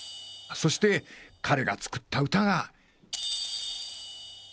そして彼が作った歌が×××。